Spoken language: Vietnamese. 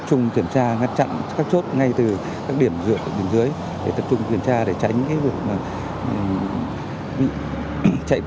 cũng như trong cứu người